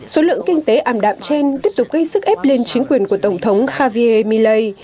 số lượng kinh tế ảm đạm trên tiếp tục gây sức ép lên chính quyền của tổng thống javier milley